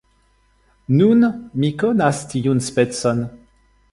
Nun mi konas tiun specon.